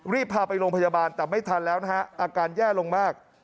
รีบพาไปโรงพยาบาลแต่ไม่ทันแล้วนะฮะอาการแย่ลงมาก